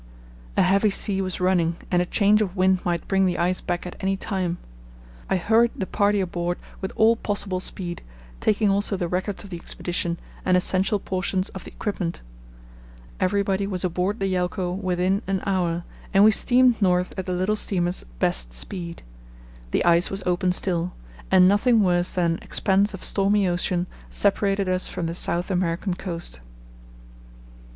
A heavy sea was running and a change of wind might bring the ice back at any time. I hurried the party aboard with all possible speed, taking also the records of the Expedition and essential portions of equipment. Everybody was aboard the Yelcho within an hour, and we steamed north at the little steamer's best speed. The ice was open still, and nothing worse than an expanse of stormy ocean separated us from the South American coast.